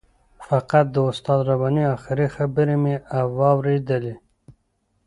فقط د استاد رباني آخري خبرې مې واورېدې.